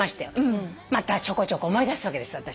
ちょこちょこ思い出すわけですよ。